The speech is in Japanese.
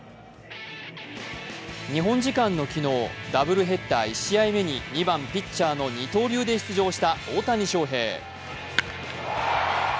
日本時間の昨日、ダブルヘッダー１試合目に２番・ピッチャーの二刀流で出場した大谷翔平。